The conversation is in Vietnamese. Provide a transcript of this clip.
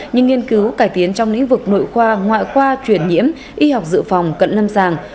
như nghiên cứu cải tiến trong lĩnh vực nội khoa ngoại khoa chuyển nhiễm y học dự phòng cận lâm sàng